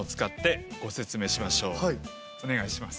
お願いします。